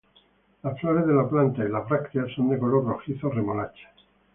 Las flores de la planta y las brácteas son de color rojizo, remolacha.